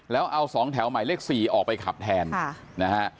แล้วเอา๒แถวหมายเลข๔ออกไปขับแทนนะฮะ